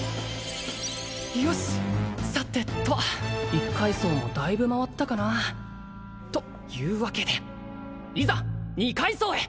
よしさてと一階層もだいぶ回ったかなというわけでいざ二階層へ！